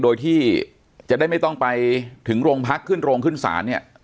โดยที่จะได้ไม่ต้องไปถึงโรงพักขึ้นโรงขึ้นศาลเนี่ย